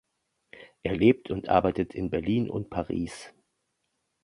Er lebt und arbeitet in Berlin und Paris.